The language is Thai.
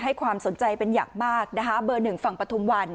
ให้ความสนใจเป็นอย่างมากนะคะเบอร์หนึ่งฝั่งปฐุมวัน